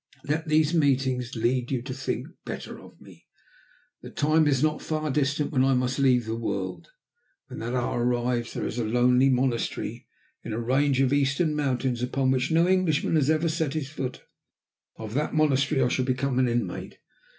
Let those meetings lead you to think better of me. The time is not far distant when I must leave the world! When that hour arrives there is a lonely monastery in a range of eastern mountains, upon which no Englishman has ever set his foot. Of that monastery I shall become an inmate.